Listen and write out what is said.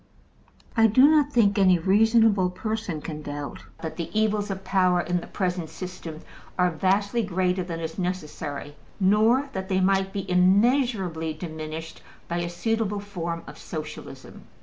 I do not think any reasonable person can doubt that the evils of power in the present system are vastly greater than is necessary, nor that they might be immeasurably diminished by a suitable form of Socialism.